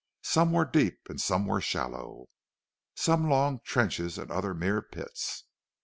Some were deep and some were shallow; some long trenches and others mere pits.